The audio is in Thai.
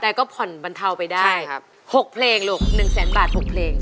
แต่ก็ผ่อนบรรเทาไปได้ใช่ครับหกเพลงลูกหนึ่งแสนบาทหกเพลง